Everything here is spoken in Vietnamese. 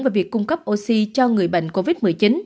và việc cung cấp oxy cho người bệnh covid một mươi chín